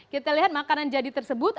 kita lihat makanan jadi tersebut